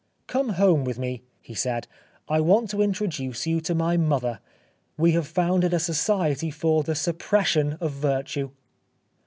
"Come home with me," he said, "I want to introduce you to my mother. We have founded a Society for the Suppression of Virtue."